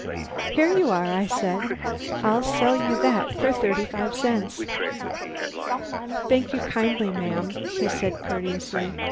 "Here you are," I said. "I'll sell you that for thirty cents." "Thank you kindly, ma'am," he said courteously.